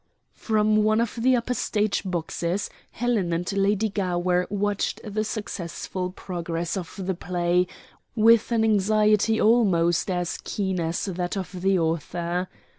From one of the upper stage boxes Helen and Lady Gower watched the successful progress of the play with an anxiety almost as keen as that of the author.